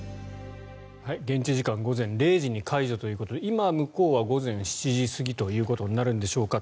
現地時間午前０時に解除ということで今、向こうは午前７時過ぎということになるのでしょうか。